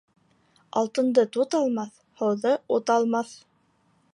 Алтынды тут алмаҫ, һыуҙы ут алмаҫ.